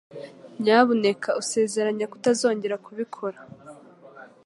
Nyamuneka usezeranye ko utazongera kubikora.